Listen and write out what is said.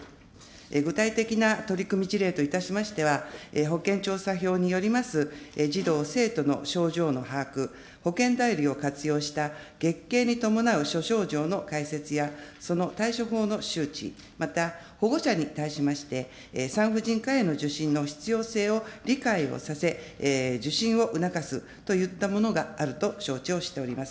具体的な取り組み事例といたしましては、保健調査票によります児童・生徒の症状の把握、保健便りを活用した月経に伴う諸症状の解説やその対処法の周知、また、保護者に対しまして、産婦人科への受診の必要性を理解をさせ、受診を促すといったものがあると承知をしております。